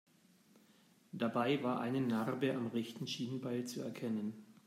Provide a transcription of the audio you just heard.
Dabei war eine Narbe am rechten Schienbein zu erkennen.